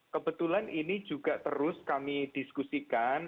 kebetulan ini juga terus kami diskusikan